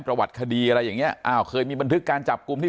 ประวัติคดีอะไรอย่างเงี้อ้าวเคยมีบันทึกการจับกลุ่มที่